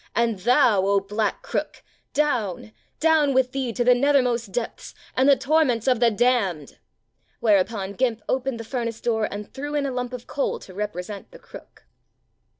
And THOU, 0 Black Crook, down, down with thee to the nethermost depths, and the torments of the damned." Whereupon "Gimp" opened the furnace door and threw in a lump of coal to represent the "Crook."